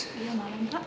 iya malam kak